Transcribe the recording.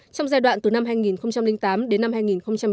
trong giai đoạn từ năm hai nghìn tám đến năm hai nghìn một mươi tám